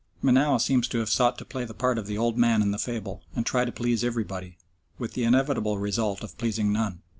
Menou seems to have sought to play the part of the old man in the fable, and try to please everybody, with the inevitable result of pleasing none.